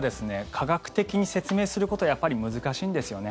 科学的に説明することはやっぱり難しいんですよね。